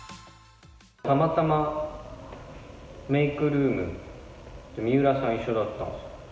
たまたまメークルームで水卜さん、一緒だったんですよ。